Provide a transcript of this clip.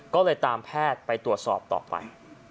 ก็เลยตามแพทย์ไปตรวจสอบต่อไป